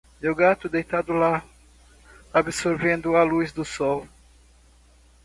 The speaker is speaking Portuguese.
Meu gato deitado lá? absorvendo a luz do sol.